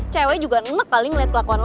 cewek juga enek kali ngeliat kelakuan lo